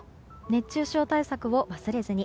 熱中症対策を忘れずに。